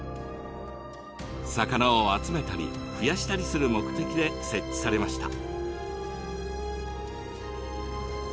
魚を集めたり増やしたりする目的で設置されました。